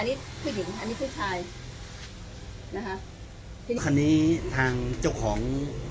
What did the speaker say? อันนี้ผู้หญิงอันนี้ผู้ชายนะคะซึ่งคันนี้ทางเจ้าของ